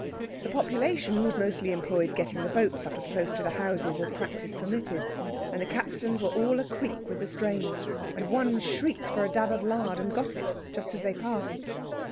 The population was mostly employed getting the boats up as close to the houses as practice permitted, and the capstans were all a creak with the strain; and one shrieked for a dab of lard, and got it, just as they passed.